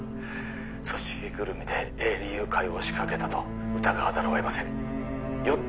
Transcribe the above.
組織ぐるみで営利誘拐を仕掛けたと疑わざるをえませんよって